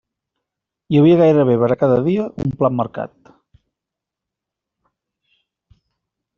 Hi havia gairebé per a cada dia un plat marcat.